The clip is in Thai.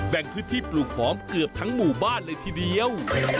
แบ่งพื้นที่ปลูกหอมเกือบทั้งหมู่บ้านเลยทีเดียว